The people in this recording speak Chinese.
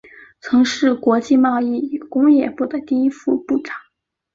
曾是国际贸易与工业部第一副部长。